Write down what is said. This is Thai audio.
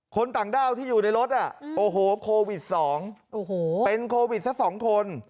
ต่างด้าวที่อยู่ในรถโอ้โหโควิด๒เป็นโควิดซะ๒คน